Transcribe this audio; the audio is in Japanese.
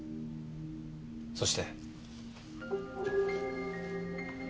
そして。